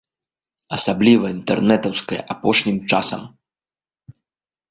Асабліва інтэрнэтаўская апошнім часам.